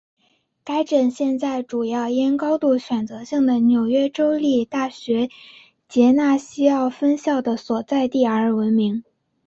该镇现在主要因高度选择性的纽约州立大学杰纳西奥分校的所在地而闻名。